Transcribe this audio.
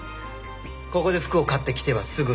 ここで服を買って着てはすぐに売る。